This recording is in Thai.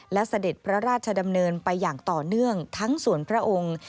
และเสด็จพระราชดำเนินไปอย่างต่อเนื่องทั้งส่วนพระองค์